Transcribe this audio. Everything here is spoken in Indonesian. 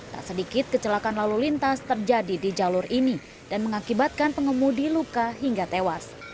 tak sedikit kecelakaan lalu lintas terjadi di jalur ini dan mengakibatkan pengemudi luka hingga tewas